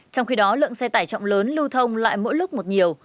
trong khi đó lượng xe tải trọng lớn lưu thông lại mỗi lúc một nhiều